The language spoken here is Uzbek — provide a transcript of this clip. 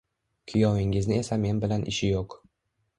Kuyovingizni esa men bilan ishi yo`q